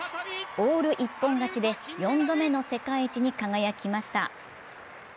オール一本勝ちで４度目の世界一に輝きました。